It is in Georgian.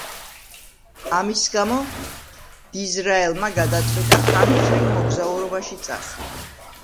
ამის გამო დიზრაელიმ გადაწყვიტა ხანგრძლივ მოგზაურობაში წასვლა.